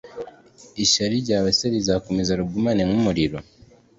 ishyari ryawe se rizakomeza rigurumane nk'umuriro